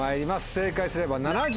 正解すれば。